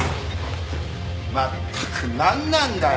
まったくなんなんだよ。